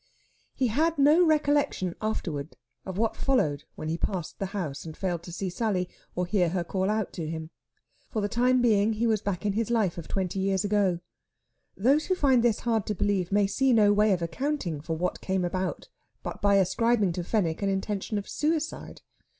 He had no recollection afterwards of what followed when he passed the house and failed to see Sally or hear her call out to him. For the time being he was back again in his life of twenty years ago. Those who find this hard to believe may see no way of accounting for what came about but by ascribing to Fenwick an intention of suicide.